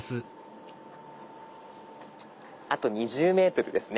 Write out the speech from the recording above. あと２０ｍですね。